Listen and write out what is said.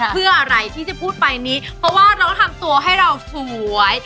เพื่ออะไรที่จะพูดไปนี้เพราะว่าเราทำตัวให้เราสวย